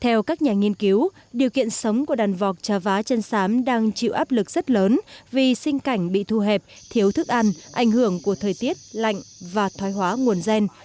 theo các nhà nghiên cứu điều kiện sống của đàn vọc trà vá chân sám đang chịu áp lực rất lớn vì sinh cảnh bị thu hẹp thiếu thức ăn ảnh hưởng của thời tiết lạnh và thoái hóa nguồn gen